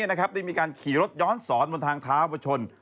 ได้มีการขี่รถย้อนสอนบนทางเท้ามาชน